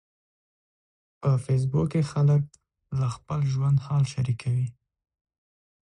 په فېسبوک کې خلک له خپل ژوند حال شریکوي.